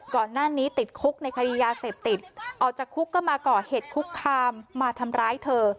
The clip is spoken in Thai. ก่อนหน้านี้ติดคุกในคดียาเสพติดออกจากคุกก็มาก่อเหตุคุกคามมาทำร้ายเธอ